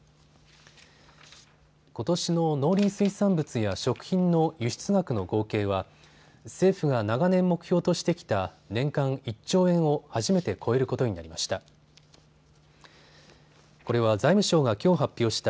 ことしの農林水産物や食品の輸出額の合計は政府が長年目標としてきた年間１兆円を初めて超えることになりました。